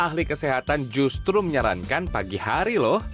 ahli kesehatan justru menyarankan pagi hari lho